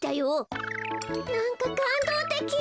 なんかかんどうてき！